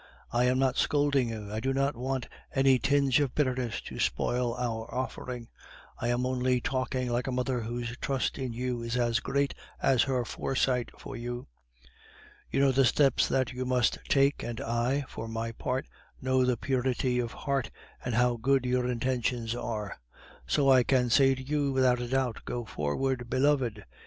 I am not scolding you; I do not want any tinge of bitterness to spoil our offering. I am only talking like a mother whose trust in you is as great as her foresight for you. You know the steps that you must take, and I, for my part, know the purity of heart, and how good your intentions are; so I can say to you without a doubt, 'Go forward, beloved!